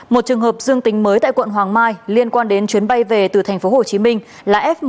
một trường hợp dương tính mới tại quận hoàng mai liên quan đến chuyến bay về từ tp hcm là f một